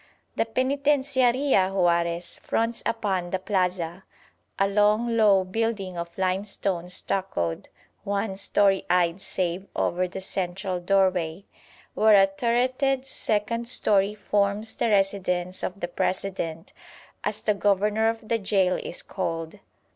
The Penitenciaria Juarez fronts upon the plaza, a long low building of limestone stuccoed, one storeyed save over the central doorway, where a turreted second storey forms the residence of the President, as the governor of the gaol is called.